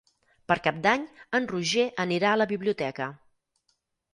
Per Cap d'Any en Roger anirà a la biblioteca.